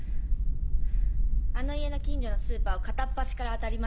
あの家の近所のスーパーを片っ端から当たりました。